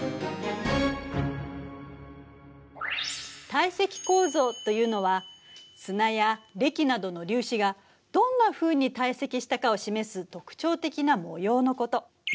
堆積構造というのは砂やれきなどの粒子がどんなふうに堆積したかを示す特徴的な模様のこと。